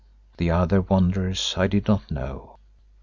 The other wanderers I did not know.